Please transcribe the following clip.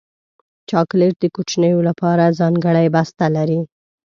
چاکلېټ د کوچنیو لپاره ځانګړی بسته لري.